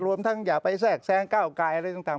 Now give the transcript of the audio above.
รวมทั้งอย่าไปแทรกแซงก้าวกายอะไรต่าง